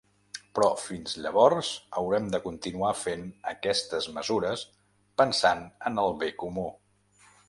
Però fins llavors haurem de continuar fent aquestes mesures pensant en el bé comú.